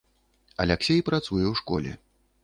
Аляксей працуе ў школе.